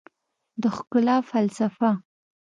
د ښکلا فلسفه